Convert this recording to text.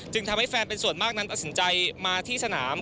ทำให้แฟนเป็นส่วนมากนั้นตัดสินใจมาที่สนาม